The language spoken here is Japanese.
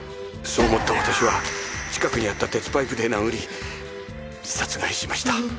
そう思った私は近くにあった鉄パイプで殴り殺害しました。